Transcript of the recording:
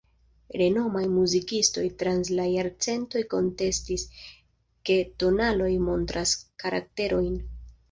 Renomaj muzikistoj trans la jarcentoj kontestis, ke tonaloj montras karakterojn.